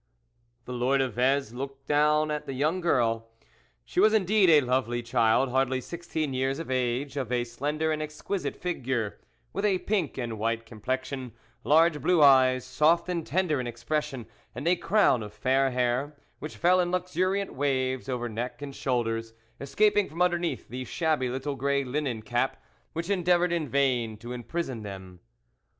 " The Lord of Vez looked down at the young girl. She was indeed a lovely child ; hardly sixteen years of age, of a slender and exquisite figure, with a pink and white complexion, large blue eyes, soft and tender in expression, and a crown of fair hair, which fell in luxuriant waves over neck and shoulders, escaping from underneath the shabby little grey linen cap, which endeavoured in vain to im prison them.